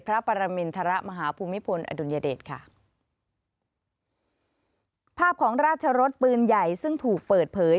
พระปรมินทรมาหาภูมิพลอดุลยเดชค่ะภาพของราชรสปืนใหญ่ซึ่งถูกเปิดเผย